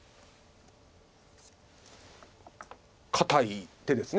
堅い手です。